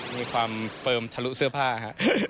มีความเฟิร์มทะลุเสื้อผ้าฮะ